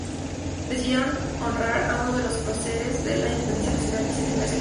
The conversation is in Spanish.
Decidieron honrar a uno de los próceres de la independencia nacional, Vicente Ignacio Iturbe.